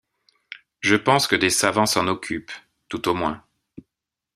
Je pense que des savants s’en occupent, tout au moins!